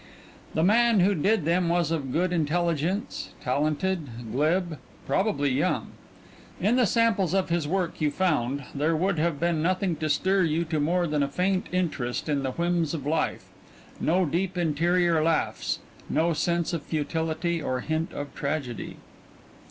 The man who did them was of good intelligence, talented, glib, probably young. In the samples of his work you found there would have been nothing to stir you to more than a faint interest in the whims of life no deep interior laughs, no sense of futility or hint of tragedy.